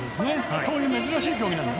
そういう珍しい競技。